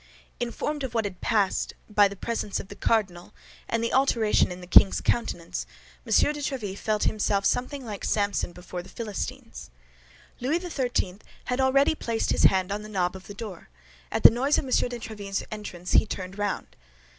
Informed of what had passed by the presence of the cardinal and the alteration in the king's countenance, M. de Tréville felt himself something like Samson before the Philistines. Louis XIII. had already placed his hand on the knob of the door; at the noise of M. de Tréville's entrance he turned round.